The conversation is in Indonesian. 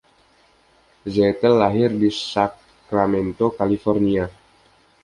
Zettel lahir di Sacramento, California.